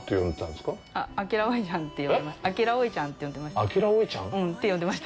あきらおいちゃんって呼んでました。